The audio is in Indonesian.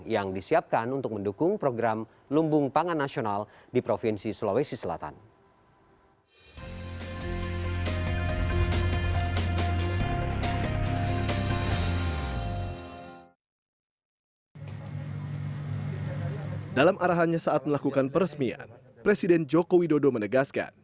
yang disiapkan untuk mendukung program lumbung pangan nasional di provinsi sulawesi selatan